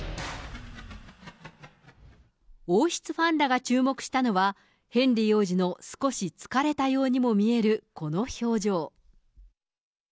王室ファンらが注目したのは、ヘンリー王子の少し疲れたようにも見えるこの表情。